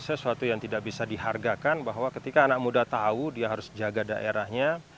dan ini menurut saya suatu yang tidak bisa dihargakan bahwa ketika anak muda tahu dia harus jaga daerahnya